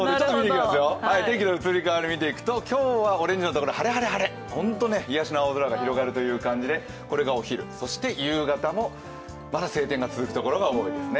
天気の移り変わりを見ていくと、今日はオレンジの所、晴れ、晴れ、晴れ癒やしの青空が広がるという感じでこれがお昼、そして夕方もまだ晴天が続くところが多いですね。